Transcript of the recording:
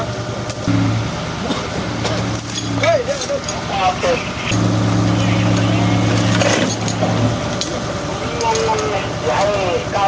ไปนอนพิงเล่นอยู่นี่เท่านั้น